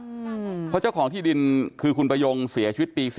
เพราะเจ้าของที่ดินคือคุณประยงเสียชีวิตปี๔